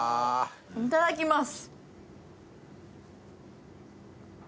いただきます